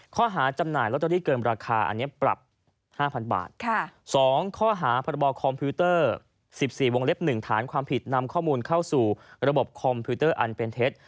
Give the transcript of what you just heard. ข้อหาจำหน่ายลอตเตอรี่เกินราคาอันนี้ปรับ๕๐๐๐บาท๒ข้อหาพรบคอมพิวเตอร์๑๔วงเล็บ๑ฐานความผิดนำข้อมูลเข้าสู่ระบบคอมพิวเตอร์อันเป็นเท็จ